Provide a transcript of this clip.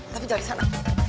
tapi jangan disana